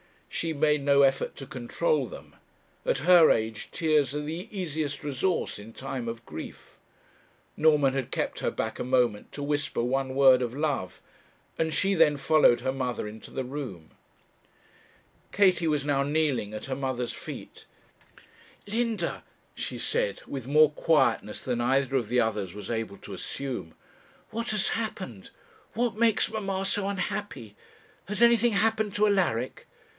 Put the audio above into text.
She made no effort to control them; at her age tears are the easiest resource in time of grief. Norman had kept her back a moment to whisper one word of love, and she then followed her mother into the room. Katie was now kneeling at her mother's feet. 'Linda,' she said, with more quietness than either of the others was able to assume, 'what has happened? what makes mamma so unhappy? Has anything happened to Alaric?'